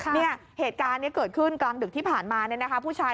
เนี๊ยะเหตุการณ์กลางตึกที่ผ่านมาเนี่ยพูดชาย